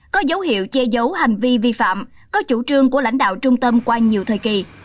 có dấu hiệu chê dấu hành vi vi phạm có chủ trương của lãnh đạo trung tâm qua nhiều thời kỳ